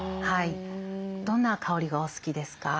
どんな香りがお好きですか？